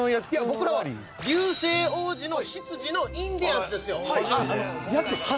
僕らは流星王子の執事のインディアンスですよ。